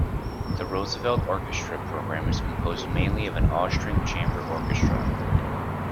The Roosevelt orchestra program is composed mainly of an all-string chamber orchestra.